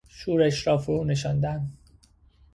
شورش را فرونشاندن